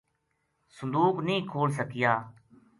صندوق نیہہ کھول سکیا